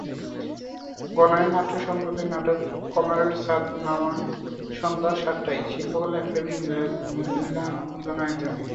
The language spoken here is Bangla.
গণায়ন নাট্য সম্প্রদায়ের নাটক কমরেডস হাত নামান, সন্ধ্যা সাতটায়, শিল্পকলা একাডেমীর মিলনায়তনে।